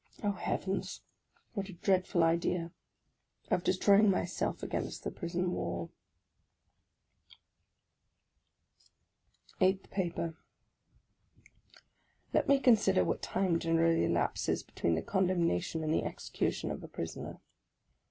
Oh, heavens! what a dreadful idea, — of destroying myself against the prison wall ! EIGHTH PAPER 1ET me consider what time generally elapses between the J condemnation and the execution of a prisoner.